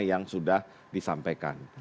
yang sudah disampaikan